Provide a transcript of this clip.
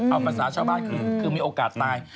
เอาภาษาชาวบ้านคือมีโอกาสตาย